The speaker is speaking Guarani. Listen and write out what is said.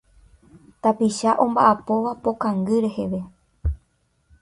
Tapicha omba'apóva po kangy reheve.